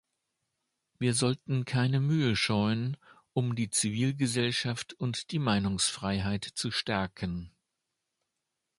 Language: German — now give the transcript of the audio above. Wir sollten keine Mühe scheuen, um die Zivilgesellschaft und die Meinungsfreiheit zu stärken.